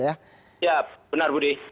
ya benar budi